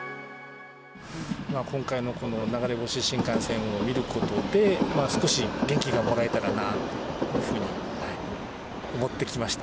今回のこの流れ星新幹線を見ることで、少し元気がもらえたらなというふうに思って来ました。